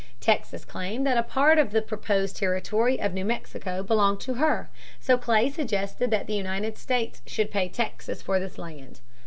Texas claimed that a part of the proposed Territory of New Mexico belonged to her. So Clay suggested that the United States should pay Texas for this land.